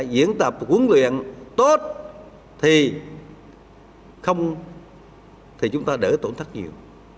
diễn tập huấn luyện tốt thì chúng ta đỡ tổn thất nhiều